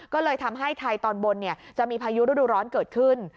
ก็เลยทำให้ไทยตอนบนจะมีพายุฤดูร้อนเกิดขึ้น